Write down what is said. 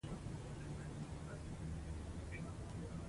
د فرهنګ ارزښت په مینه، اخلاص او په انساني همدردۍ کې نغښتی دی.